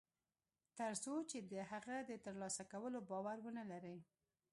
تر څو چې د هغه د تر لاسه کولو باور و نهلري